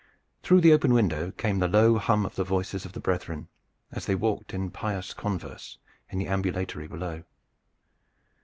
Through the open window came the low hum of the voices of the brethren as they walked in pious converse in the ambulatory below.